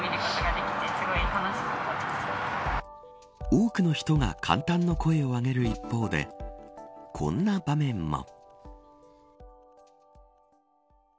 多くの人が感嘆の声を上げる一方でこんな場面も。